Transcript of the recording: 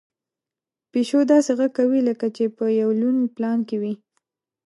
پيشو داسې غږ کوي لکه چې په یو لوی پلان کې وي.